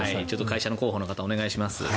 会社の広報の方お願いします。